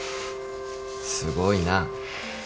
すごいな。